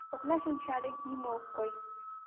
Окнаш ончале — нимо ок кой.